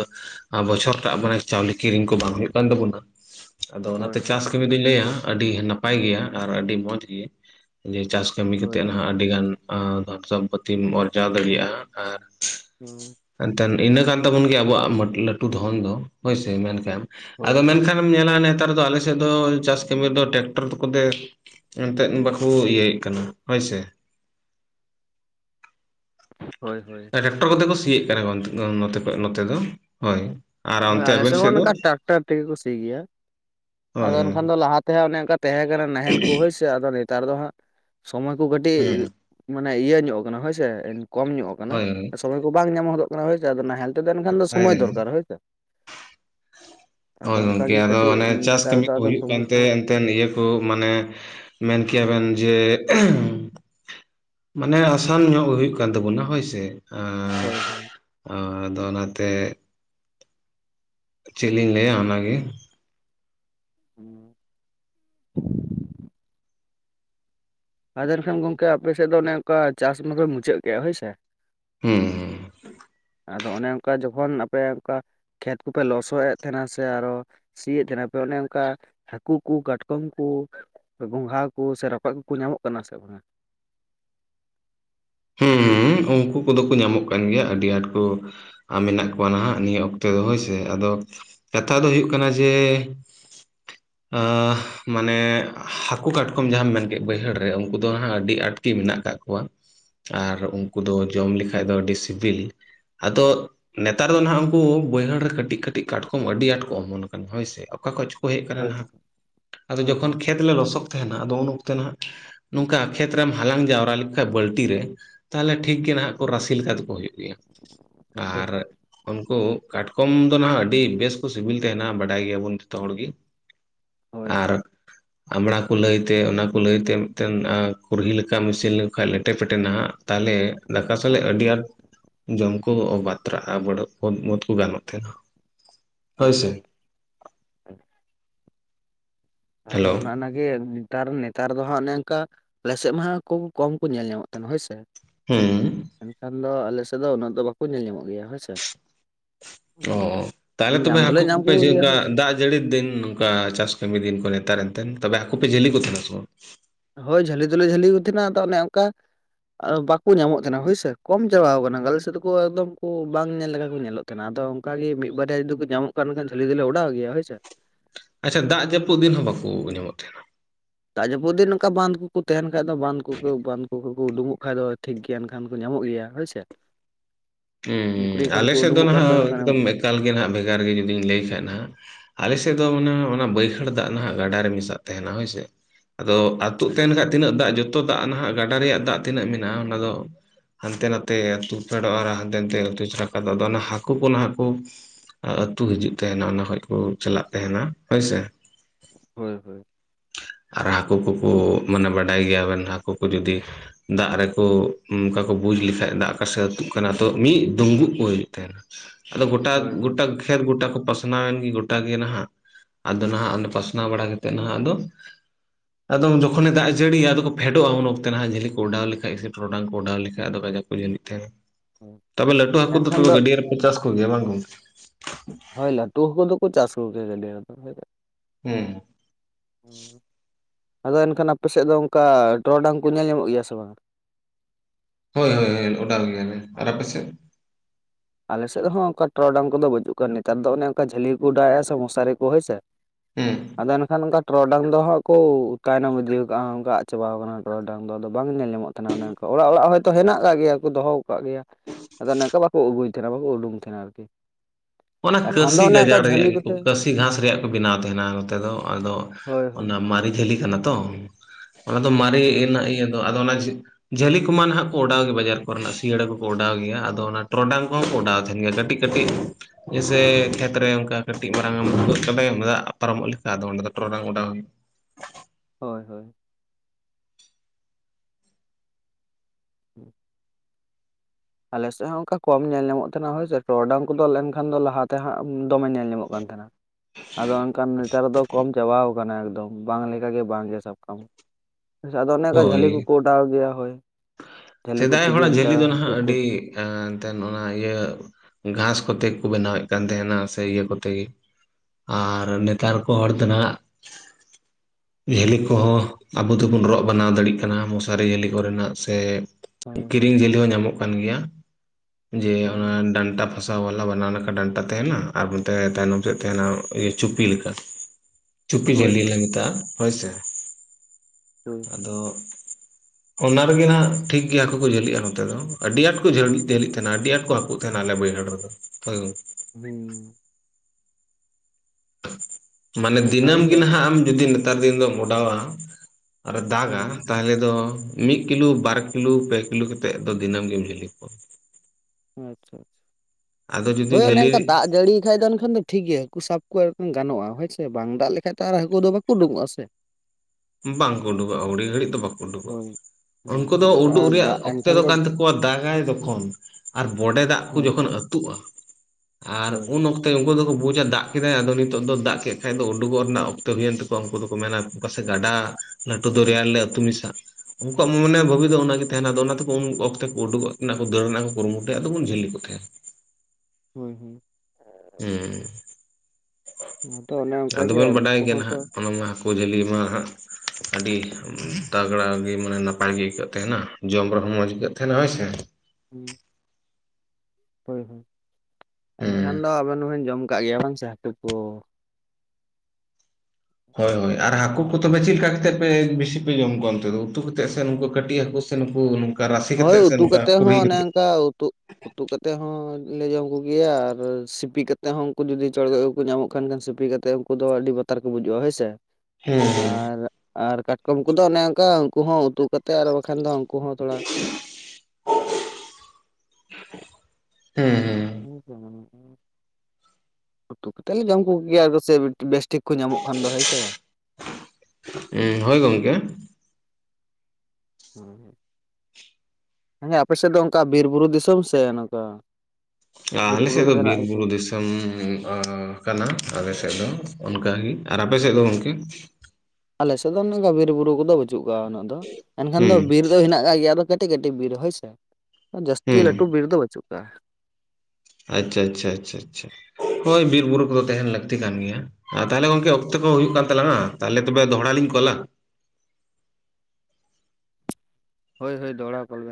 ᱟ ᱵᱚᱪᱷᱚᱨ ᱴᱟᱜ ᱢᱟᱱᱮ ᱪᱟᱣᱞᱮ ᱠᱤᱨᱤᱧ ᱠᱚ ᱵᱟᱝ ᱦᱩᱭᱩᱜ ᱠᱟᱱ ᱛᱟᱵᱚᱱᱟ᱾ ᱟᱫᱚ
ᱦᱳᱭ
ᱚᱱᱟᱛᱮ
ᱦᱳᱭ
ᱪᱟᱥ ᱠᱟᱹᱢᱤ ᱫᱚᱩᱧ ᱞᱟᱹᱭᱟ ᱟᱹᱰᱤ ᱱᱟᱯᱟᱭ ᱜᱮᱭᱟ ᱟᱨ ᱟᱹᱰᱤ ᱢᱚᱸᱡᱽ ᱜᱮᱭᱟ᱾ ᱡᱮ ᱪᱟᱥ ᱠᱟᱹᱢᱤ
ᱦᱳᱭ
ᱠᱟᱛᱮᱫ ᱱᱟᱦᱟᱸᱜ ᱟᱹᱰᱤᱜᱟᱱ ᱟᱸ ᱫᱷᱚᱱ ᱥᱚᱢᱯᱚᱛᱤᱢ ᱟᱨᱡᱟᱣ ᱫᱟᱲᱮᱭᱟᱼᱟ ᱟᱨ
ᱦᱳᱭ
ᱮᱱᱛᱮᱱ ᱤᱱᱟᱹ ᱠᱟᱱ ᱛᱟᱵᱚᱱ ᱜᱮᱭᱟ ᱟᱵᱚᱣᱟᱜ ᱢᱟᱴᱤ ᱞᱟᱹᱴᱩ ᱫᱷᱚᱱ ᱫᱚ ᱦᱳᱭᱥᱮ ᱢᱮᱱᱠᱷᱟᱱ
ᱦᱳᱭ
ᱟᱫᱚ ᱢᱮᱱᱠᱷᱟᱱᱮᱢ ᱧᱮᱞᱟ ᱱᱮᱛᱟᱨ ᱫᱚ ᱟᱞᱮ ᱥᱮᱜ ᱫᱚ ᱪᱟᱥ ᱠᱟᱹᱢᱤ ᱫᱚ ᱴᱮᱠᱴᱚᱨ ᱠᱚᱛᱮ ᱮᱱᱛᱮᱫ ᱵᱟᱠᱚ ᱤᱭᱟᱹᱭᱮᱫᱹᱜ ᱠᱟᱱᱟ ᱦᱳᱭ ᱥᱮ᱾
ᱦᱳᱭ ᱦᱳᱭ᱾
ᱴᱮᱠᱴᱚᱨ ᱠᱚᱛᱮ ᱠᱚ ᱥᱤᱭᱮᱜ ᱠᱟᱱᱟ ᱚᱝᱛᱮ ᱱᱚᱛᱮ ᱠᱷᱚᱭ ᱱᱚᱛᱮ ᱫᱚ ᱦᱳᱭ᱾ ᱟᱨ
ᱦᱳᱭ
ᱚᱱᱛᱮ ᱟᱵᱮᱱ
ᱟᱞᱮᱥᱮᱜ
ᱥᱮᱫ
ᱦᱚᱸ
ᱫᱚ
ᱚᱝᱠᱟ ᱴᱟᱠᱴᱟᱨ ᱛᱮᱜᱮ ᱠᱩ ᱥᱤ ᱜᱮᱭᱟ᱾
ᱦᱳᱭ
ᱟᱫᱚ ᱮᱱᱠᱷᱟᱱ ᱫᱚ ᱞᱟᱦᱟᱛᱮ ᱦᱟᱸᱜ ᱚᱱᱮ ᱚᱱᱠᱟ ᱛᱟᱦᱮᱸ ᱠᱟᱱᱟ ᱱᱟᱦᱮᱞ ᱠᱚ ᱦᱳᱭᱥᱮ ᱟᱫᱚ ᱱᱮᱛᱟᱨ ᱫᱚ ᱦᱟᱸᱜ, ᱥᱚᱢᱚᱭ ᱠᱚ
ᱦᱳᱭ ᱦᱮᱸ
ᱠᱟᱹᱴᱤᱜ ᱢᱟᱱᱮ ᱤᱭᱟᱹ ᱧᱚᱜ ᱠᱟᱱᱟ ᱦᱳᱭᱥᱮ ᱠᱚᱢ ᱧᱚᱜ ᱠᱟᱱᱟ᱾
ᱦᱳᱭ ᱦᱳᱭ
ᱥᱚᱢᱚᱭ ᱠᱚ ᱵᱟᱝ ᱧᱟᱢᱚᱜ ᱦᱚᱫᱚᱜ ᱠᱟᱱᱟ ᱦᱳᱭ ᱥᱮ ᱟᱫᱚ ᱱᱟᱦᱮᱞ ᱛᱮᱫᱚ ᱮᱱᱠᱷᱟᱱ ᱫᱚ
ᱦᱳᱭ
ᱥᱚᱢᱚᱭ
ᱫᱟᱞᱤᱧ
ᱫᱚᱨᱠᱟᱨ ᱦᱳᱭ ᱥᱮ᱾
ᱦᱳᱭ ᱜᱚᱝᱠᱮ ᱟᱫᱚ
ᱠᱟᱹᱴᱤᱡ
ᱟᱱᱮ ᱪᱟᱥ
ᱱᱮᱛᱟᱨ
ᱠᱟᱹᱢᱤ
ᱫᱚ
ᱠᱩ
ᱟᱫᱚ
ᱦᱩᱭᱩᱜ
ᱥᱚᱢᱚᱭ
ᱠᱟᱱᱛᱮ
ᱠᱚᱦᱚᱸ
ᱮᱱᱛᱮᱱ ᱤᱭᱟᱹ ᱠᱩ ᱢᱟᱱᱮ ᱢᱮᱱ ᱠᱮᱭᱟ ᱵᱮᱱ ᱡᱮ ᱢᱟᱱᱮ ᱟᱥᱟᱱ ᱧᱚᱜ ᱦᱩᱭᱩᱜ ᱠᱟᱱ ᱛᱟᱵᱚᱱᱟ ᱦᱳᱭᱥᱮ᱾ ᱟᱸ
ᱦᱳᱭ ᱦᱳᱭ᱾
ᱟᱫᱚ ᱚᱱᱟᱛᱮ ᱪᱮᱜᱞᱤᱝ ᱞᱟᱹᱭᱟ ᱚᱱᱟᱜᱮ᱾
ᱦᱩᱸ (inaudible) ᱟᱫᱚ ᱮᱱᱠᱷᱟᱱ ᱜᱚᱝᱠᱮ ᱟᱯᱮᱥᱮᱜ ᱫᱚ ᱚᱱᱮ ᱚᱱᱠᱟ ᱪᱟᱥ ᱢᱟᱯᱮ ᱢᱩᱪᱟᱹᱜ ᱠᱮᱜᱼᱟ ᱦᱳᱭ ᱥᱮ
ᱦᱩᱸ ᱦᱩᱸ᱾
ᱟᱫᱚ ᱚᱱᱮ ᱚᱱᱠᱟ ᱡᱚᱠᱷᱚᱱ ᱟᱯᱮ ᱚᱱᱠᱟ ᱠᱷᱮᱛ ᱠᱚᱯᱮ ᱞᱚᱥᱚᱜ ᱮᱫ ᱛᱟᱦᱮᱸᱱᱟ ᱥᱮ ᱟᱨᱚ ᱥᱤᱭᱮᱜ ᱛᱟᱦᱮᱸᱱᱟ ᱯᱮ ᱚᱱᱮ ᱚᱱᱠᱟ ᱦᱟᱹᱠᱩ ᱠᱩ ᱠᱟᱴᱠᱚᱢ ᱠᱩ ᱜᱚᱝᱜᱦᱟ ᱠᱩ ᱥᱮ ᱨᱚᱠᱚᱡ ᱠᱩᱠᱩ ᱧᱟᱢᱚᱜ ᱠᱟᱱᱟ ᱥᱮ ᱵᱟᱝ?
ᱦᱩᱸ ᱩᱱᱠᱩ ᱠᱚᱫᱚ ᱠᱚ ᱧᱟᱢᱚᱜ ᱠᱟᱱ ᱜᱮᱭᱟ᱾ ᱟᱹᱰᱤ ᱟᱸᱴ ᱠᱚ ᱟ ᱢᱮᱱᱟᱜ ᱠᱚᱣᱟ ᱱᱟᱦᱟᱸᱜ ᱱᱤᱭᱟᱹ ᱚᱠᱛᱮ ᱫᱚ ᱦᱳᱭᱥᱮ ᱟᱫᱚ, ᱠᱟᱛᱷᱟ ᱫᱚ ᱦᱩᱭᱩᱜ ᱠᱟᱱᱟ ᱡᱮ ᱟᱸ ᱢᱟᱱᱮ ᱦᱟᱹᱠᱩ ᱠᱟᱴᱠᱚᱢ ᱡᱟᱦᱟᱸᱢ ᱢᱮᱱᱠᱮᱜ ᱵᱟᱹᱭᱦᱟᱹᱲ ᱨᱮ ᱩᱱᱠᱩ ᱫᱚ ᱱᱟᱦᱟᱸᱜ ᱟᱹᱰᱤ ᱟᱸᱴ ᱛᱤ ᱢᱮᱱᱟᱜ ᱠᱟᱜ ᱠᱚᱣᱟ ᱟᱨ ᱩᱱᱠᱩ ᱫᱚ ᱡᱚᱢ ᱞᱮᱠᱷᱟᱭ ᱫᱚ ᱟᱹᱰᱤ ᱥᱤᱵᱤᱞ ᱟᱫᱚ, ᱱᱮᱛᱟᱨ ᱫᱚ ᱱᱟᱦᱟᱸᱜ ᱩᱱᱠᱩ ᱵᱟᱹᱭᱦᱟᱹᱲ ᱨᱮ ᱠᱟᱹᱴᱤᱜ ᱠᱟᱹᱴᱤᱜ ᱠᱟᱴᱠᱚᱢ ᱟᱹᱰᱤ ᱟᱴ ᱠᱚ ᱚᱢᱚᱱ ᱠᱟᱱᱟ ᱦᱳᱭᱥᱮ ᱚᱠᱟ ᱠᱷᱚᱭ ᱪᱚ ᱠᱚ ᱦᱮᱜ ᱠᱟᱱᱟ
ᱦᱳᱭ
ᱱᱟᱦᱟᱸᱜ ᱟᱫᱚ
ᱦᱳᱭ
ᱡᱚᱠᱷᱚᱱ
ᱦᱳᱭ
ᱠᱷᱮᱛ ᱞᱮ ᱞᱚᱥᱚᱫ ᱛᱮᱦᱮᱸᱱᱟ ᱟᱫᱚ ᱩᱱ ᱚᱠᱛᱮ ᱱᱟᱦᱟᱸᱜ ᱱᱚᱝᱠᱟ ᱠᱷᱮᱛᱨᱮᱢ ᱦᱟᱞᱟᱝ ᱡᱟᱣᱨᱟ ᱞᱮᱠᱚ ᱠᱷᱟᱭ ᱵᱟᱹᱞᱴᱤ ᱨᱮ ᱛᱟᱦᱚᱞᱮ ᱴᱷᱤᱠ ᱜᱮ ᱱᱟᱦᱟᱸᱜ ᱠᱚ ᱨᱟᱥᱮ ᱞᱮᱠᱟ ᱫᱚᱠᱚ ᱦᱩᱭᱩᱜ ᱜᱮᱭᱟ᱾
ᱦᱳᱭ
ᱟᱨ ᱩᱱᱠᱩ ᱠᱟᱴᱠᱚᱢ ᱫᱚ ᱱᱟᱦᱟᱸᱜ ᱟᱹᱰᱤ ᱵᱮᱥ ᱠᱚ ᱥᱤᱵᱤᱞ ᱛᱟᱦᱮᱸᱱᱟ ᱵᱟᱰᱟᱭ ᱜᱮᱭᱟᱵᱚᱱ ᱡᱚᱛᱚ ᱦᱚᱲᱜᱤ᱾
ᱦᱳᱭ
ᱟᱨ ᱟᱢᱵᱽᱲᱟ ᱠᱚ ᱞᱟᱹᱭᱛᱮ ᱚᱱᱟ ᱠᱚ ᱞᱟᱹᱭᱛᱮ ᱢᱤᱫᱛᱮᱱ ᱠᱩᱨᱦᱤ ᱞᱮᱠᱟᱢ ᱤᱥᱤᱱ ᱞᱮ ᱠᱷᱟᱭ ᱞᱮᱴᱮ ᱯᱮᱴᱮ ᱱᱟᱦᱟᱸᱜ ᱛᱟᱦᱞᱮ ᱫᱟᱠᱟ
ᱦᱳᱭ
ᱥᱮᱞᱮᱜ ᱟᱹᱰᱤ
ᱦᱳᱭ
ᱟᱸᱴ ᱡᱚᱢ ᱠᱚ ᱵᱟᱛᱨᱟᱜ-ᱟ ᱵᱟᱹᱲᱟᱹᱜ ᱢᱚᱛ ᱠᱚ ᱜᱟᱱᱚᱜ ᱛᱟᱦᱮᱱᱟ
ᱦᱳᱭ
ᱦᱳᱭᱥᱮ
ᱦᱳᱭ ᱟᱫᱚ
ᱦᱮᱞᱳ
ᱚᱱᱟ ᱟᱱᱟ ᱜᱮ ᱱᱮᱛᱟᱨ ᱱᱮᱛᱟᱨ ᱫᱚ ᱦᱟᱸᱜ ᱚᱱᱮ ᱚᱝᱠᱟ ᱟᱞᱮᱥᱮᱫ ᱢᱟ ᱦᱟᱜ ᱠᱷᱩᱵ ᱠᱚᱢ ᱠᱚ ᱧᱮᱞ ᱧᱟᱢᱚᱜ ᱛᱟᱦᱮᱱᱟ ᱦᱳᱭᱥᱮ᱾
ᱦᱩᱸ
ᱮᱱᱠᱷᱟᱱ ᱫᱚ ᱟᱞᱮ ᱥᱮᱫ ᱫᱚ ᱩᱱᱟᱹᱜ ᱫᱚ ᱵᱟᱠᱚ ᱧᱮᱞ ᱧᱟᱢᱚᱜ ᱜᱮᱭᱟ ᱦᱳᱭᱥᱮ,
ᱚ ᱛᱟᱦᱞᱮ ᱛᱚᱵᱮ
ᱧᱟᱢ ᱫᱚᱞᱮ
ᱦᱟᱹᱠᱩ
ᱧᱟᱢ
ᱠᱚᱯᱮ ᱡᱷᱟᱹ
ᱠᱚᱜᱮᱭᱟ
ᱵᱟ ᱫᱟᱜ ᱡᱟᱹᱲᱤᱫ ᱫᱤᱱ ᱱᱚᱝᱠᱟ ᱪᱟᱥ ᱠᱟᱹᱢᱤ ᱫᱤᱱ ᱠᱚ ᱱᱮᱛᱟᱨ ᱮᱱᱛᱮᱫ ᱛᱚᱵᱮ ᱦᱟᱹᱠᱩ ᱯᱮ ᱡᱷᱟᱹᱞᱤ ᱠᱚ ᱛᱟᱦᱮᱱᱟ ᱥᱮ ᱵᱟᱝ?
ᱦᱳᱭ ᱡᱷᱟᱹᱞᱤ ᱫᱚᱞᱮ ᱡᱷᱟᱹᱞᱤ ᱠᱚ ᱛᱮᱦᱮᱱᱟ ᱟᱫᱚ ᱚᱱᱮ ᱚᱝᱠᱟ ᱟ ᱵᱟᱠᱳ ᱧᱟᱢᱚᱜ ᱛᱮᱦᱮᱱᱟ ᱦᱳᱭᱥᱮ ᱠᱚᱢ ᱪᱟᱵᱟᱟᱣ ᱠᱟᱱᱟᱠᱳ ᱟᱞᱮᱥᱮᱫ ᱫᱚᱠᱚ ᱮᱠᱫᱚᱢ ᱠᱚ ᱵᱟᱝ ᱧᱮᱞ ᱞᱮᱠᱟ ᱠᱚ ᱧᱮᱞᱚᱜ ᱠᱟᱱᱟ ᱟᱫᱚ ᱚᱝᱠᱟ ᱜᱮ ᱢᱤᱫ ᱵᱟᱨᱭᱟ ᱡᱩᱫᱤ ᱠᱚ ᱧᱟᱢᱚᱜ ᱠᱟᱱ ᱠᱷᱟᱱ ᱡᱷᱟᱹᱞᱤ ᱫᱚᱞᱮ ᱚᱰᱟᱣ ᱜᱮᱭᱟ ᱦᱳᱭ ᱥᱮ᱾
ᱟᱪᱪᱷᱟ ᱫᱟᱜ ᱡᱟᱹᱯᱩᱫ ᱫᱤᱱ ᱦᱚᱸ ᱵᱟᱠᱩ ᱧᱟᱢᱚᱜ ᱛᱮᱦᱮᱱᱟ
ᱫᱟᱜ ᱡᱟᱹᱯᱩᱫ ᱫᱤᱱ ᱚᱝᱠᱟ ᱵᱟᱸᱫ ᱠᱚ ᱠᱩ ᱛᱮᱦᱮᱱ ᱠᱷᱟᱡ ᱫᱚ ᱵᱟᱸᱫ ᱠᱚ ᱠᱩ ᱵᱟᱸᱫ ᱠᱚ ᱠᱩ ᱠᱩ ᱩᱰᱩᱠᱚᱜ ᱠᱷᱟᱡ ᱫᱚ ᱴᱷᱤᱠ ᱜᱮᱭᱟ ᱮᱱᱠᱷᱟᱱ ᱠᱚ ᱧᱟᱢᱚᱜ ᱜᱮᱭᱟ ᱦᱳᱭᱥᱮ᱾
ᱩᱸ
ᱯᱩᱠᱷᱨᱤ ᱠᱷᱚᱱ ᱠᱚ
ᱟᱞᱮᱥᱮᱫ ᱫᱚ
ᱩᱰᱩᱠᱚᱜ ᱠᱟᱱ
ᱱᱟᱦᱟᱜ
ᱠᱷᱟᱱ
ᱮᱠᱫᱚᱢ ᱮᱠᱟᱞ ᱜᱮ ᱱᱦᱟᱜ ᱵᱷᱮᱜᱟᱨ ᱜᱮ ᱡᱩᱫᱤᱧ ᱞᱟᱹᱭ ᱠᱷᱟᱱ ᱱᱦᱟᱜ᱾ ᱟᱞᱮᱥᱮᱫ ᱫᱚ ᱚᱱᱟ ᱚᱱᱟ ᱵᱟᱹᱭᱦᱟᱹᱲ ᱫᱟᱜ ᱱᱟᱦᱟᱜ ᱜᱟᱰᱟ ᱨᱮ ᱢᱮᱥᱟᱜ ᱛᱟᱦᱮᱱᱟ ᱦᱳᱭᱥᱮ, ᱟᱫᱚ ᱟᱹᱛᱩᱜ
ᱟᱪᱪᱷᱟ
ᱛᱮᱦᱮᱱ ᱠᱷᱟᱡ ᱛᱤᱱᱟᱹᱜ ᱫᱟᱜ ᱡᱚᱛᱚ ᱫᱟᱜ ᱱᱟᱦᱟᱜ ᱜᱟᱰᱟ ᱨᱮᱭᱟᱜ ᱫᱟᱜ ᱛᱤᱱᱟᱹᱜ ᱢᱮᱱᱟᱜ-ᱟ ᱚᱱᱟ ᱫᱚ ᱦᱟᱱᱛᱮ ᱱᱟᱛᱮ ᱟᱛᱩᱜ ᱯᱷᱮᱰᱚᱜ-ᱟ ᱟᱨ ᱦᱟᱱᱛᱮ ᱱᱟᱛᱮ ᱟᱛᱩ ᱪᱷᱨᱠᱟ ᱫᱚ ᱟᱫᱚ ᱚᱱᱟ ᱦᱟᱹᱠᱩ ᱠᱚ ᱱᱟᱦᱟᱜ ᱠᱩ ᱟᱹᱛᱩ ᱦᱤᱡᱩᱜ ᱛᱮᱦᱮᱱᱟ ᱚᱱᱟ ᱠᱷᱚᱡ ᱠᱩ ᱪᱟᱞᱟᱜ ᱛᱮᱦᱮᱱᱟ ᱦᱳᱭᱥᱮ᱾
ᱦᱳᱭ ᱦᱳᱭ
ᱟᱨ ᱦᱟᱹᱠᱩ ᱠᱩᱠᱩ ᱢᱟᱱᱮ ᱵᱟᱰᱟᱭ ᱜᱮᱭᱟᱵᱮᱱ ᱦᱟᱹᱠᱩ ᱠᱚ ᱡᱩᱫᱤ ᱫᱟᱜ ᱨᱮᱠᱚ ᱚᱱᱠᱟ ᱠᱚ ᱵᱩᱡ ᱞᱮᱠᱷᱟᱡ ᱫᱟᱜ ᱚᱠᱟᱥᱮᱫ ᱟᱹᱛᱩᱜ ᱠᱟᱱᱟ ᱛᱚ ᱢᱤᱫ ᱫᱩᱢᱵᱩᱜ ᱠᱚ ᱦᱩᱭᱩᱜ ᱛᱮᱦᱮᱱᱟ ᱟᱫᱚ ᱜᱚᱴᱟ
ᱦᱳᱭ ᱦᱳᱭ
ᱜᱚᱴᱟ ᱠᱷᱮᱨ ᱜᱚᱴᱟ ᱠᱚ ᱯᱟᱥᱱᱟᱣ ᱮᱱ ᱜᱮ ᱜᱚᱴᱟ ᱜᱮ ᱱᱟᱦᱟᱜ ᱟᱫᱚ ᱱᱟᱦᱟᱜ ᱟᱫᱚ ᱯᱟᱥᱱᱟᱣ ᱵᱟᱲᱟ ᱠᱟᱛᱮᱜ ᱱᱟᱦᱟᱜ ᱫᱚ ᱟᱫᱚᱢ ᱡᱚᱠᱷᱚᱱᱮ ᱫᱟᱜ ᱮ ᱡᱟᱹᱲᱤᱭᱤᱭᱟ ᱟᱫᱚ ᱠᱚ ᱯᱷᱮᱰᱚᱜ-ᱟ ᱩᱱ ᱚᱠᱛᱮ ᱱᱟᱦᱟᱜ ᱡᱷᱟᱹᱞᱤ ᱠᱚ ᱚᱰᱟᱣ ᱞᱮᱠᱷᱟᱡ ᱥᱮ ᱴᱚᱰᱟᱝ ᱠᱚ ᱚᱰᱟᱣ ᱞᱮᱠᱷᱟᱡ ᱟᱫᱚ ᱠᱟᱡᱟ ᱠᱚ ᱡᱷᱟᱹᱞᱤᱜ ᱛᱮᱦᱮᱸᱱᱟ
ᱦᱳᱭ
ᱛᱚᱵᱮ ᱞᱟᱹᱴᱩ ᱦᱟᱹᱠᱩ ᱫᱚ ᱛᱚᱵᱮ ᱜᱟᱹᱰᱭᱟᱹ ᱨᱮᱯᱮ ᱪᱟᱥ ᱠᱚᱜᱮᱭᱟ ᱵᱟᱝ ᱜᱚᱝᱠᱮ?
ᱦᱳᱭ ᱞᱟᱹᱴᱩ ᱦᱟᱠᱩ ᱫᱩᱠᱩ ᱪᱟᱥ ᱠᱚᱜᱮᱭᱟ ᱜᱟᱹᱰᱭᱟᱹ ᱨᱮᱫᱚ
ᱦᱩᱸ
ᱟᱫᱚ ᱮᱱᱠᱷᱟᱱ ᱟᱯᱮ ᱥᱮᱫ ᱫᱚ ᱚᱝᱠᱟ ᱴᱚᱨᱚᱰᱟᱝ ᱠᱚ ᱧᱮᱞ ᱧᱟᱢᱚᱜ ᱜᱮᱭᱟ ᱥᱮ ᱵᱟᱝᱟ?
ᱦᱳᱭ ᱦᱳᱭ ᱦᱳᱭ ᱚᱰᱟᱣ ᱜᱮᱭᱟᱞᱮ, ᱟᱨ ᱟᱯᱟᱥᱮᱫ?
ᱟᱞᱮᱥᱮᱫ ᱦᱚᱸ ᱚᱱᱠᱟ ᱴᱚᱨᱚᱰᱟᱝ ᱠᱚᱫᱚ ᱵᱟᱹᱪᱩᱜ ᱠᱟ ᱱᱮᱛᱟᱨ ᱫᱚ ᱚᱱᱮ ᱚᱱᱠᱟ ᱡᱷᱟᱹᱞᱤ ᱠᱚ ᱚᱰᱟᱣᱮᱜ ᱟ ᱥᱮ ᱢᱚᱥᱟᱨᱤ ᱠᱚ ᱦᱳᱭ ᱥᱮ,
ᱦᱩᱸ
ᱟᱫᱚ ᱮᱱᱠᱷᱟᱱ ᱚᱱᱠᱟ ᱴᱨᱚᱰᱟᱝ ᱫᱚ ᱦᱟᱸᱜ ᱠᱩ ᱛᱟᱭᱱᱚᱢ ᱤᱫᱤᱣ ᱠᱟᱜ-ᱟ ᱚᱱᱠᱟ ᱟᱫ ᱪᱟᱵᱟᱣ ᱠᱟᱱᱟ ᱴᱚᱨᱚᱰᱟᱝ ᱫᱚ ᱟᱫᱚ ᱵᱟᱝ ᱧᱮᱞ ᱧᱟᱢᱚᱜ ᱛᱷᱮᱱᱟ ᱚᱱᱮ ᱚᱝᱠᱟ ᱚᱲᱟᱜ ᱚᱲᱟᱜ ᱦᱚᱭᱛᱳ ᱦᱮᱱᱟᱜ ᱟᱠᱟᱫ ᱜᱮᱭᱟ ᱠᱚ ᱫᱚᱦᱚ ᱟᱠᱟᱫ ᱜᱮᱭᱟ ᱟᱫᱚ ᱮᱝᱠᱟ ᱵᱟᱠᱚ ᱟᱹᱜᱩᱭ ᱛᱷᱮᱱᱟ ᱵᱟᱠᱚ ᱩᱰᱩᱝ ᱛᱷᱮᱱᱟ ᱟᱨᱠᱤ᱾
ᱚᱱᱟ
ᱮᱠᱷᱚᱱ ᱫᱚ
ᱠᱟᱹᱥᱤ
ᱚᱱᱮ ᱚᱱᱠᱟ
ᱜᱟᱡᱟᱲ
ᱡᱷᱟᱹᱞᱤ
ᱨᱮᱭᱟᱜ
ᱠᱚᱛᱮ
ᱜᱮᱠᱚ ᱠᱟᱹᱥᱤ ᱜᱷᱟᱥ ᱨᱮᱭᱟᱜ ᱠᱚ ᱵᱮᱱᱟᱣ ᱛᱮᱦᱮᱱᱟ ᱱᱚᱛᱮ ᱫᱚ ᱟᱫᱚ
ᱦᱳᱭ ᱦᱳᱭ
ᱚᱱᱟ ᱢᱟᱨᱮ ᱡᱷᱟᱹᱞᱤ ᱠᱟᱱᱟ ᱛᱚ ᱚᱱᱟ ᱫᱚ ᱢᱟᱨᱮ
ᱦᱳᱭ
ᱨᱮᱱᱟᱜ ᱤᱭᱟᱹ ᱫᱚ ᱟᱫᱚ ᱚᱱᱟ ᱡᱷᱟᱹᱞᱤ ᱠᱚᱢᱟ ᱱᱦᱟᱜ ᱠᱚ ᱚᱰᱟᱣ ᱜᱮᱭᱟ ᱵᱟᱡᱟᱨ ᱠᱚᱨᱮ ᱱᱟᱜ ᱥᱤᱭᱟᱹᱲᱟ ᱠᱚᱠᱚ ᱚᱰᱟᱣ ᱜᱮᱭᱟ ᱟᱫᱚ ᱚᱱᱟ ᱴᱨᱚᱰᱟᱝ ᱠᱚᱦᱚ ᱠᱚ ᱚᱰᱟᱣ ᱛᱟᱦᱮᱱ ᱜᱮᱭᱟ ᱠᱟᱴᱤ ᱠᱟᱴᱤᱜ ᱡᱮᱭᱥᱮ ᱠᱷᱮᱛᱨᱮ ᱚᱱᱠᱟ ᱠᱟᱴᱤᱡ ᱢᱟᱨᱟᱝ ᱮᱢ ᱵᱩᱜᱟᱹᱜ ᱠᱟᱫᱟᱭᱮᱢ ᱫᱟᱜ ᱯᱟᱨᱚᱢᱚᱜ ᱞᱮᱠᱟ ᱟᱫᱚ ᱚᱴᱮ ᱫᱚ ᱰᱚᱨᱚᱰᱟᱝ ᱚᱰᱟᱣ
ᱦᱳᱭ ᱦᱳᱭ ᱦᱩ ᱟᱞᱮ ᱥᱮᱜ ᱦᱚᱸ ᱚᱝᱠᱟ ᱠᱚᱢ ᱧᱮᱞ ᱧᱟᱢᱚᱜ ᱛᱮᱦᱮᱱᱟ ᱦᱳᱭᱥᱮ ᱴᱨᱚᱰᱟᱝ ᱠᱚᱫᱚ ᱞᱮᱝᱠᱷᱟᱱ ᱫᱚ ᱞᱟᱦᱟ ᱛᱮ ᱦᱟᱜ ᱫᱚᱢᱮ ᱧᱮᱞ ᱧᱟᱢᱚᱜ ᱠᱟᱱ ᱛᱟᱦᱮᱱᱟ᱾ ᱟᱫᱚ ᱮᱱᱠᱷᱟᱱ ᱱᱮᱛᱟᱨ ᱫᱚ ᱠᱚᱢ ᱪᱟᱵᱟᱣ ᱠᱟᱱᱟ ᱮᱠᱫᱚᱢ ᱵᱟᱝ ᱞᱮᱠᱟ ᱜᱮ ᱵᱟᱝ ᱜᱮ ᱥᱟᱵ ᱠᱟᱢᱮ᱾ ᱟᱫᱚ ᱚᱱᱮ ᱚᱠᱟ
ᱦᱳᱭ
ᱡᱷᱟᱹᱞᱤ ᱠᱚᱠᱚ ᱚᱴᱟᱣ ᱜᱮᱭᱟ ᱦᱳᱭ᱾ ᱡᱷᱟᱹᱞᱤ ᱠᱚ
ᱥᱮᱫᱟᱭ
ᱛᱮᱜᱮ
ᱦᱚᱲᱟᱜ ᱡᱷᱟᱹᱞᱤ
ᱱᱮᱛᱟᱨ
ᱫᱚ ᱱᱷᱟᱸᱜ
ᱦᱟᱹᱠᱩ ᱠᱚ
ᱟᱹᱰᱤ ᱮᱸ ᱮᱱᱛᱮᱱ ᱚᱱᱟ ᱤᱭᱟᱹ ᱜᱷᱟᱸᱥ ᱠᱚᱛᱮ ᱜᱮ ᱠᱚ ᱵᱮᱱᱟᱣᱮᱜ ᱠᱟᱱ ᱛᱟᱦᱮᱸᱱᱟ ᱥᱮ ᱤᱭᱟᱹ ᱠᱚᱛᱮ ᱜᱮ ᱟᱨ ᱱᱮᱛᱟᱨ ᱠᱚ ᱦᱚᱲ ᱫᱚ ᱱᱷᱟᱸᱜ ᱡᱷᱟᱹᱞᱤ ᱠᱚᱦᱚᱸ ᱟᱵᱚ ᱫᱚᱵᱚᱱ ᱨᱚᱜ ᱵᱟᱱᱟᱣ ᱫᱟᱹᱲᱤᱜ ᱠᱟᱱᱟ ᱢᱚᱥᱟᱨᱤ ᱡᱷᱟᱹᱞᱤ ᱠᱚᱨᱮᱱᱟᱜ, ᱥᱮ
ᱦᱳᱭ ᱦᱳᱭ
ᱠᱤᱨᱤᱧ ᱡᱷᱟᱹᱞᱤ ᱦᱚ ᱧᱟᱢᱚᱜ ᱠᱟᱱ ᱜᱮᱭᱟ ᱡᱮ
ᱦᱳᱭ
ᱚᱱᱟ ᱰᱟᱱᱴᱟᱯ ᱦᱟᱥᱟ ᱣᱟᱞᱟ ᱵᱟᱱᱟ ᱱᱟᱠᱷᱟ ᱰᱟᱱᱴᱟ ᱛᱟᱦᱮᱸᱱᱟ ᱟᱨ ᱱᱚᱛᱮ ᱛᱟᱭᱱᱚᱢ ᱥᱮᱫ ᱛᱟᱦᱮᱸᱱᱟ ᱩᱸ ᱤᱭᱟᱹ ᱪᱩᱯᱤ ᱞᱮᱠᱟ᱾ ᱪᱩᱯᱤ
ᱦᱳᱭ
ᱡᱷᱟᱹᱞᱤ ᱞᱮ
ᱦᱳᱭ
ᱢᱮᱛᱟᱜ, ᱦᱳᱭ ᱥᱮ?
ᱦᱩᱸ,
ᱟᱫᱚᱻᱜ ᱚᱱᱟ ᱨᱚᱜᱮ ᱱᱷᱟᱸᱜ ᱴᱷᱤᱠ ᱜᱮ ᱦᱟᱹᱠᱩ ᱠᱚ ᱡᱷᱟᱹᱞᱤᱜᱼᱟ ᱱᱚᱛᱮ ᱫᱚ, ᱟᱹᱰᱤ ᱟᱸᱴ ᱡᱷᱟᱹᱞᱤᱜ, ᱡᱷᱟᱹᱞᱤᱜ ᱛᱟᱦᱮᱸᱱᱟ, ᱟᱹᱰᱤ ᱟᱸᱴ ᱠᱚ ᱦᱟᱹᱠᱩ ᱛᱟᱦᱮᱸᱱᱟ ᱟᱞᱮᱭᱟᱜ ᱵᱟᱹᱭᱦᱟᱹᱲ ᱨᱮᱫᱚ᱾ ᱦᱳᱭ ᱜᱚᱝ-
ᱵᱤᱧ,
(unintelligible) ᱢᱟᱱᱮ ᱫᱤᱱᱟᱹᱢ
ᱚᱱᱟᱜᱮ
ᱜᱮ
ᱟᱫᱚ
ᱱᱷᱟᱸᱜ ᱟᱢ ᱡᱩᱫᱤ ᱱᱮᱛᱟᱨ ᱫᱤᱱ ᱫᱚᱢ ᱚᱰᱟᱣᱟ ᱟᱨ ᱮ ᱫᱟᱜᱽᱼᱟ,
ᱦᱩᱸ
ᱛᱟᱦᱮᱞᱮ ᱫᱚ ᱢᱤᱫ ᱠᱤᱞᱩ, ᱵᱟᱨ ᱠᱤᱞᱩ, ᱯᱮ ᱠᱤᱞᱳ ᱠᱟᱛᱮᱜ ᱫᱚ ᱫᱤᱱᱟᱹᱢ ᱜᱮᱢ ᱡᱷᱟᱹᱞᱤ ᱠᱚᱣᱟ᱾
ᱟᱪᱪᱷᱟ,
ᱟᱫᱚ ᱡᱩᱫᱤ
ᱦᱳᱭ ᱚᱱᱮ ᱚᱸᱠᱟ
ᱡᱷᱟᱹᱞᱤ
ᱫᱟᱜ ᱡᱟᱹᱲᱤ ᱠᱷᱟᱡ ᱫᱚ ᱮᱱᱠᱷᱟᱱ ᱫᱚ ᱴᱷᱤᱠ ᱜᱮᱭᱟ ᱦᱟᱹᱠᱩ ᱥᱟᱵ ᱠᱚ ᱟᱭ ᱨᱚᱠᱚᱢ ᱜᱟᱱᱚᱜᱼᱟ, ᱦᱳᱭ ᱥᱮ ᱵᱟᱝ ᱫᱟᱜ ᱞᱮᱠᱷᱟᱡ ᱫᱚ ᱟᱨ ᱦᱟᱹᱠᱩ ᱫᱚ ᱵᱟᱹᱠᱩ ᱩᱰᱩᱸᱝᱼᱚᱜᱼᱟ ᱥᱮ?
ᱵᱟᱝ ᱠᱚ ᱩᱰᱩᱠᱚᱜᱼᱟ, ᱩᱲᱤ ᱜᱷᱟᱹᱲᱤᱡ ᱫᱚ ᱵᱟᱠᱚ ᱩᱰᱩᱠᱚᱜᱼᱟ᱾
ᱦᱳᱭ ᱦᱳᱭ
ᱩᱱᱠᱩ ᱫᱚ
ᱚᱱᱠᱟ
ᱩᱰᱩᱜ ᱨᱮᱭᱟᱜ
ᱫᱟᱜ
ᱚᱠᱛᱮ
ᱮᱱᱠᱷᱟᱱ
ᱫᱚ ᱠᱟᱱ ᱛᱟᱠᱚᱣᱟ ᱫᱟᱜᱽᱼᱟᱭ ᱡᱚᱠᱷᱚᱱ᱾ ᱟᱨ ᱵᱚᱰᱮ ᱫᱟᱜ ᱠᱚ
ᱦᱳᱭ
ᱡᱚᱠᱷᱚᱱ ᱟᱹᱛᱩᱜᱼᱟ, ᱟᱨ
ᱦᱳᱭ
ᱩᱱ ᱚᱠ ᱛᱮ, ᱩᱸᱠᱩ ᱫᱚᱠᱚ ᱵᱩᱡᱽᱼᱟ ᱫᱟᱜ ᱠᱮᱫᱟᱭ ᱟᱫᱚ ᱱᱤᱛᱚᱜ ᱫᱚ ᱫᱟᱜ ᱠᱮᱜ ᱠᱷᱟᱡ ᱫᱚ ᱩᱰᱩᱠᱚᱜ ᱨᱮᱱᱟᱜ ᱚᱠᱛᱚ ᱦᱩᱭᱮᱱ ᱛᱟᱠᱚᱣᱟ ᱩᱱᱠᱩ ᱫᱚᱠᱚ ᱢᱮᱱᱟ ᱚᱠᱟ ᱥᱮ ᱥᱮᱫ ᱜᱟᱰᱟ, ᱞᱟᱹᱴᱩ ᱫᱚᱨᱭᱟ ᱨᱮᱞᱮ ᱟᱹᱛᱩ ᱢᱤᱥᱟᱜ ᱩᱱᱠᱩᱣᱟᱜ ᱢᱳᱱᱮ ᱵᱷᱟᱹᱵᱤ ᱫᱚ ᱚᱱᱟᱜᱮ ᱛᱟᱦᱮᱸᱱᱟ, ᱟᱫᱚ ᱚᱱᱟᱛᱮᱵᱚ ᱩᱱ ᱚᱠᱛᱮ ᱠᱚ ᱩᱰᱩᱠᱚᱜ ᱨᱮᱱᱟᱜ ᱠᱚ ᱫᱟᱹᱲ ᱨᱮᱱᱟᱜ ᱠᱚ ᱠᱩᱨᱩᱢᱩᱴᱩᱭᱟ, ᱟᱫᱚ ᱵᱚᱱ ᱡᱷᱟᱹᱞᱤ ᱠᱚ ᱛᱟᱦᱮᱸᱱ᱾
ᱦᱳᱭ ᱦᱳᱭ᱾
ᱦᱩᱸ,
ᱟᱫᱚ ᱚᱱᱮ ᱚᱱᱠᱟ
ᱟᱫᱚ
ᱜᱮ
ᱵᱚᱱ
ᱟᱵᱚ
ᱵᱟᱰᱟᱭ ᱜᱮᱭᱟ
ᱠᱚᱦᱚᱸ ᱛᱚ
ᱱᱷᱟᱸᱜ ᱚᱱᱟ ᱢᱟ ᱦᱟᱹᱠ ᱠᱩ ᱡᱷᱟᱹᱞᱤ ᱮᱢᱟ ᱦᱟᱸᱜ ᱟᱹᱰᱤ ᱩᱸ ᱛᱟᱜᱽᱲᱟ ᱜᱮ ᱢᱟᱱᱮ ᱱᱟᱯᱟᱭ ᱜᱮ ᱟᱹᱭᱠᱟᱹᱜ ᱛᱟᱦᱮᱸᱱᱟ, ᱡᱚᱢ ᱨᱮᱦᱚᱸ ᱢᱚᱸᱡᱽ ᱟᱹᱭᱠᱟᱹᱜ ᱛᱟᱦᱮᱸᱱᱟ ᱦᱳᱭ ᱥᱮ?
ᱦᱩᱸ᱾ ᱦᱳᱭ ᱦᱳᱭ, ᱮᱱᱠᱷᱟᱱ
ᱦᱩᱸ
ᱫᱚ ᱟᱵᱮᱱ ᱦᱚᱸᱵᱮᱱ ᱡᱚᱢ ᱠᱟᱜ ᱜᱮᱭᱟ ᱵᱟᱝ ᱥᱮ ᱦᱟᱹᱠᱩ ᱠᱚ?
ᱦᱳᱭ ᱦᱳᱭ ᱟᱨ ᱦᱟᱹᱠᱩ ᱠᱚ ᱛᱚᱵᱮ ᱪᱮᱫ ᱞᱮᱠᱟ ᱠᱟᱛᱮᱫ ᱯᱮ ᱵᱤᱥᱤ ᱯᱮ ᱡᱚᱢ ᱠᱚᱣᱟ ᱚᱱᱛᱮ ᱫᱚ ᱩᱛᱩ ᱠᱟᱛᱮᱫ ᱥᱮ ᱱᱩᱠᱩ ᱠᱟᱹᱴᱤᱡ ᱦᱟᱹᱠᱩ ᱥᱮ ᱱᱩᱠᱩ ᱱᱩᱠ?
ᱦᱳᱭ ᱩᱛᱩ ᱠᱟᱛᱮᱜ ᱦᱚᱸ ᱚᱱᱮ ᱚᱸᱠᱟ ᱩ ᱛᱩᱜ, ᱩᱛᱩ ᱠᱟᱛᱮᱜ ᱦᱚᱸ ᱞᱮ ᱡᱚᱢ ᱠᱚᱜᱮᱭᱟ ᱟᱻᱨ ᱥᱤᱯᱤ ᱠᱟᱛᱮᱜ ᱦᱚᱸ ᱩᱸᱠᱩ ᱡᱩᱫᱤ ᱪᱟᱹᱲᱜᱟᱹᱜ ᱦᱟᱹᱠᱩ ᱠᱚ ᱧᱟᱢᱚᱜ ᱠᱟᱱ ᱠᱷᱟᱱ ᱥᱤᱯ ᱯᱤ ᱠᱟᱛᱮ ᱩᱸᱠᱩ ᱫᱚ ᱟᱹᱰᱤ ᱵᱟᱛᱟᱨ ᱠᱚ ᱵᱩᱡᱽᱼᱚᱜᱼᱟ, ᱦᱳᱭ ᱥᱮ?
ᱦᱩᱸ
ᱟᱨ ᱟᱨ ᱠᱟᱴᱠᱚᱢ ᱠᱚᱫᱚ ᱚᱱᱮ ᱚᱸᱠᱟ ᱩᱸᱠᱩ ᱦᱚᱸ ᱩᱛᱩ ᱠᱟᱛᱮᱜ ᱟᱨ ᱵᱟᱠᱷᱟᱱ ᱫᱚ ᱚᱝ ᱠᱩ ᱦᱚᱸ ᱛᱷᱚᱲᱟ
ᱦᱮᱸ ᱦᱮᱸ,
ᱩᱛᱩ ᱠᱟᱛᱮᱫ ᱞᱮ ᱡᱚᱢ ᱠᱚᱜᱮᱭᱟ, ᱟᱫᱚ ᱥᱮᱵᱽ ᱵᱮᱥᱴᱷᱤᱠ ᱠᱚ ᱧᱟᱢᱚᱜ ᱠᱷᱟᱱ ᱫᱚ, ᱦᱚᱭ ᱥᱮ ᱵᱟᱝ?
ᱦᱩᱸ ᱦᱳᱭ ᱜᱚᱝᱠᱮ᱾
(inaudible) ᱢᱟᱱᱮ ᱟᱯᱮ ᱥᱮᱫ ᱫᱚ ᱚᱸᱠᱟ ᱵᱤᱨ ᱵᱩᱨᱩ ᱫᱤᱥᱚᱢ ᱥᱮ ᱚᱱᱟ ᱫᱚ?
ᱟ, ᱟᱞᱮ ᱥᱮᱜ ᱫᱚ ᱵᱤᱨ ᱵᱩᱨᱩ ᱫᱤᱥ- ᱥᱚᱢ ᱟᱸ ᱠᱟᱱᱟ ᱟᱞᱮ ᱥᱮᱫ ᱫᱚ ᱚᱱᱠᱟ ᱜᱮ ᱟᱨ ᱟᱯᱮ ᱥᱮᱫ ᱫᱚ ᱜᱚᱝᱠᱮ?
ᱟᱞᱮᱥᱮᱫ ᱫᱚ ᱚᱱᱮ ᱚᱸᱠᱟ ᱵᱤᱨ ᱵᱩᱨᱩ ᱠᱚᱫᱚ ᱵᱟᱹᱪᱩᱜ ᱠᱚᱣᱟ ᱩᱱᱟᱹᱜ ᱫᱚ ᱮᱱᱠᱷᱟᱱ ᱫᱚ
ᱦᱩᱸ
ᱵᱤᱨ ᱫᱚ ᱦᱮᱱᱟᱜ ᱠᱟᱜ ᱜᱮᱭᱟ ᱟᱫᱚ ᱠᱟᱹᱴᱤᱡ ᱠᱟᱹᱴᱤᱡ ᱵᱤᱨ ᱦᱳᱭᱥᱮ, ᱟ. ᱡᱟᱹᱥᱛᱤ
ᱦᱩᱸ
ᱞᱟᱹᱴᱩ ᱵᱤᱨ ᱫᱚ ᱵᱟᱹᱪᱩᱜ ᱠᱟᱜᱼᱟ᱾
ᱟᱪᱪᱷᱟ ᱟᱪᱪᱷᱟ ᱟᱪᱪᱷᱟ ᱟᱪᱪᱷᱟ, ᱦᱳᱭ ᱵᱤᱨ ᱵᱩᱨᱩ ᱠᱚᱫᱚ ᱛᱟᱦᱮᱸᱱ ᱞᱟᱹᱠᱛᱤ ᱠᱟᱱ ᱜᱮᱭᱟ᱾ ᱟᱨ ᱛᱟᱦᱮᱞᱮ ᱜᱚᱝᱠᱮ ᱚᱠᱛᱮ ᱠᱚ ᱦᱩᱭᱩᱜ ᱠᱟᱱ ᱛᱟᱞᱟᱝᱼᱟ, ᱛᱟᱦᱮᱞᱮ ᱛᱚᱵᱮ ᱫᱚᱦᱲᱟ ᱞᱤᱧ ᱠᱚᱞᱼᱟ?
ᱦᱳᱭ ᱦᱳᱭ, ᱫᱚᱦᱚᱲᱟ ᱠᱚᱞ ᱵᱮᱱ᱾